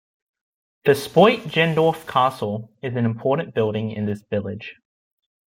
The "Spoitgendorf Castle" is an important building in this village.